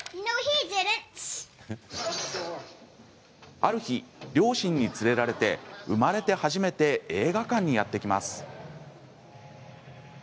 ある日、両親に連れられて生まれて初めて映画館にやって来ます。